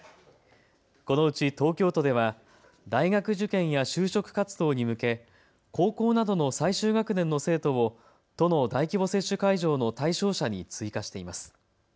このうち東京都では大学受験や就職活動に向け高校などの最終学年の生徒を都の大規模接種会場の対象者に追加しています。